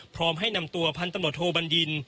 พร้อมให้นำตัวพันธุ์ตำรวจโทบัญญิน